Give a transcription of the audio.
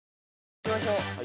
いきましょう。